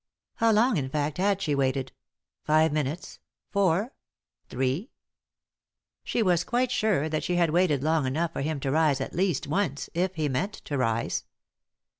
How long, in feet, had she waited ? Five minutes ?— four ?— three ? She was quite sure that she had waited long enough for him to rise at least once— if he meant to rise.